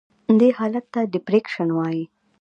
دې حالت ته Depreciation وایي.